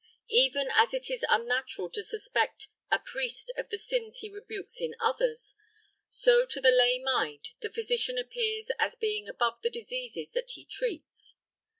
Even as it is unnatural to suspect a priest of the sins he rebukes in others, so to the lay mind the physician appears as a being above the diseases that he treats.